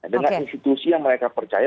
dengan institusi yang mereka percaya